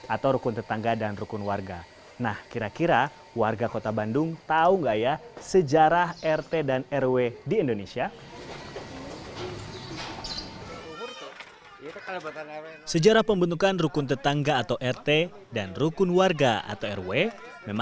atau rukun tetangga dan rukun warga